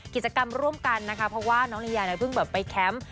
กิจกรรมร่วมกันนะคะเพราะว่าน้องลียาเนี่ยเพิ่งแบบไปแคมป์